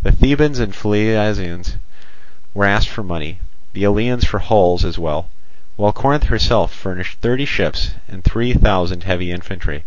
The Thebans and Phliasians were asked for money, the Eleans for hulls as well; while Corinth herself furnished thirty ships and three thousand heavy infantry.